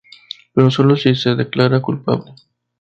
Pero sólo si se declara culpable".